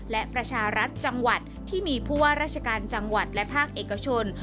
และประชารัฐจังหวัดที่มีผู้ว่าราชการจังหวัดและภาคเอกชน